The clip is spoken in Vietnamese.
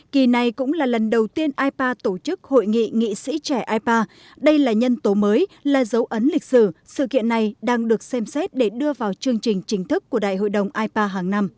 kỳ này cũng là lần đầu tiên ipa tổ chức hội nghị nghị sĩ trẻ ipa đây là nhân tố mới là dấu ấn lịch sử sự kiện này đang được xem xét để đưa vào chương trình chính thức của đại hội đồng ipa hàng năm